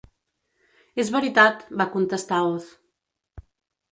"És veritat", va contestar Oz.